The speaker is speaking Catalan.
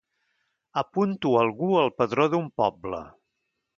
Apunto algú al padró d'un poble.